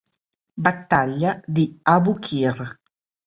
Battaglia di Abukir